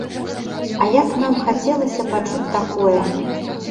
А як нам хацелася пачуць такое!